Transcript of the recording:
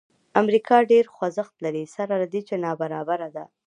امریکا ډېر خوځښت لري سره له دې چې نابرابره ده.